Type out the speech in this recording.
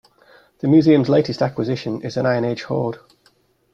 The Museum's latest acquisition is an Iron Age Hoard.